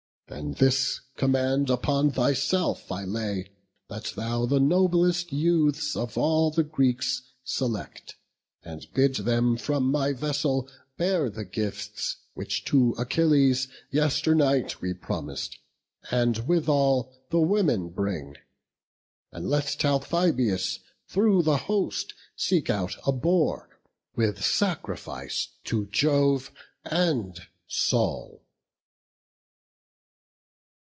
Then this command upon thyself I lay: That thou the noblest youths of all the Greeks Select, and bid them from my vessel bear The gifts, which, to Achilles yesternight We promis'd, and withal the women bring; And let Talthybius through the host seek out A boar, for sacrifice to Jove and Sol."